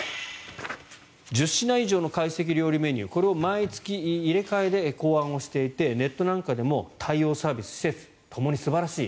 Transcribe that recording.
１０品以上の懐石料理メニューこれを毎月入れ替えて考案していてネットなんかでも対応、サービス施設ともに素晴らしい。